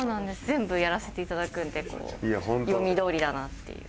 全部やらせていただくんでこう読みどおりだなっていう。